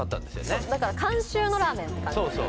そうだから監修のラーメンそう